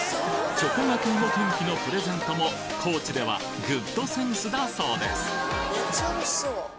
チョコがけ芋けんぴのプレゼントも高知ではグッドセンスだそうです！